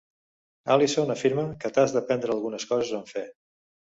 Allison afirma que "t'has de prendre algunes coses amb fe".